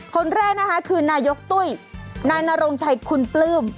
คนแรกนะคะคือนายกตุ้ยนายนรงชัยคุณปลื้ม